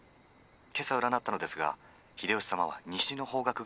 今朝占ったのですが秀吉様は西の方角が吉と出ています」。